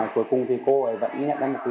cô ấy vẫn nhận ra một quý